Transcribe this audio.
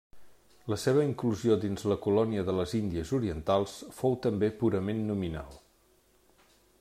La seva inclusió dins la colònia de les Índies Orientals fou també purament nominal.